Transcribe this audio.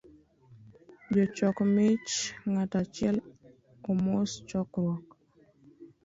Jochok mich, ng’ato achiel omos chokruok